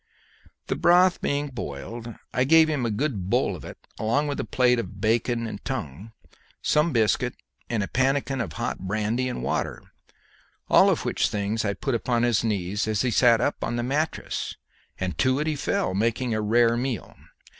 The broth being boiled, I gave him a good bowl of it along with a plate of bacon and tongue, some biscuit and a pannikin of hot brandy and water, all which things I put upon his knees as he sat up on the mattress, and to it he fell, making a rare meal.